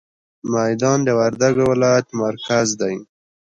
ميدان د وردګ ولايت مرکز دی.